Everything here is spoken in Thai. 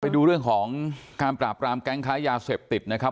ไปดูเรื่องของการปราบรามแก๊งค้ายาเสพติดนะครับ